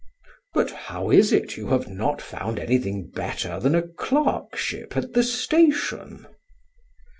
But how is it you have not found anything better than a clerkship at the station?"